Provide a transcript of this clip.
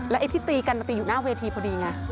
ไอ้ที่ตีกันมันตีอยู่หน้าเวทีพอดีไง